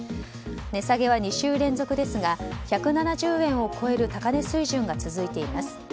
値下げは２週連続ですが１７０円を超える高値水準が続いています。